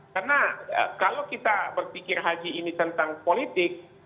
karena kalau kita berpikir haji ini tentang politik